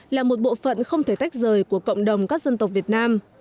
là một bộ phận không thể tách rời của cộng đồng các dân tộc việt nam